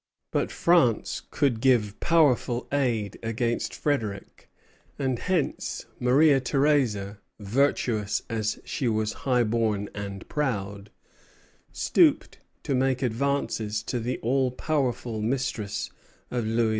But France could give powerful aid against Frederic; and hence Maria Theresa, virtuous as she was high born and proud, stooped to make advances to the all powerful mistress of Louis XV.